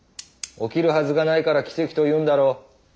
起きるはずがないから奇跡と言うんだろう。ですね。